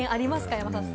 山里さん。